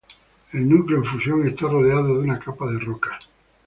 El núcleo en fusión está rodeado de una capa de rocas.